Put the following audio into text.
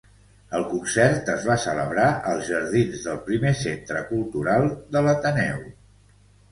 El concert es va celebrar als jardins del primer centre cultural de l'Ateneu.